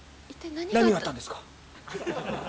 何があったんですか！？